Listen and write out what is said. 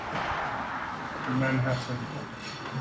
Alden lives in Manhattan.